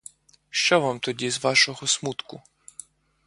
Що вам тоді з вашого смутку?